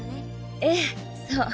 ええそう。